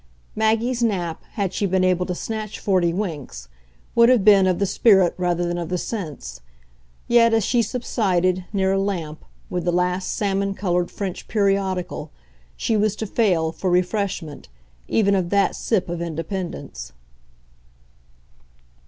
Maggie's nap, had she been able to snatch forty winks, would have been of the spirit rather than of the sense; yet as she subsided, near a lamp, with the last salmon coloured French periodical, she was to fail, for refreshment, even of that sip of independence.